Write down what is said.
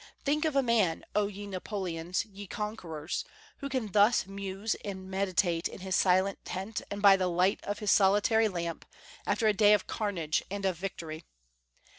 Think of a man, O ye Napoleons, ye conquerors, who can thus muse and meditate in his silent tent, and by the light of his solitary lamp, after a day of carnage and of victory!